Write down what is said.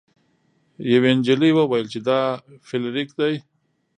یوې جینۍ وویل چې دا فلیریک دی.